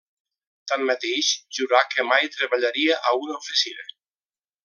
Tanmateix, jurà que mai treballaria a una oficina.